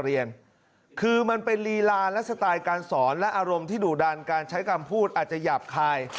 เรียนคือมันเป็นลีลาและสไตล์การสอนและอารมณ์ที่ดุดันการใช้คำพูดอาจจะหยาบคาย